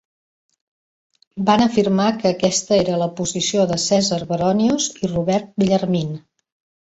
Van afirmar que aquesta era la posició de Caesar Baronius i Robert Bellarmine.